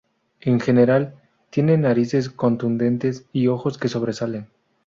En general, tienen narices contundentes y ojos que sobresalen.